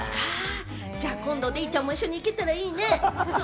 じゃあ、デイちゃんも一緒に行けたらいいねぇ。